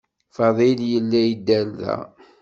Fadil yella yedder da.